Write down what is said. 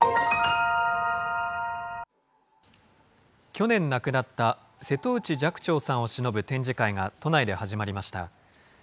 去年亡くなった瀬戸内寂聴さんをしのぶ展示会が都内で始まりました。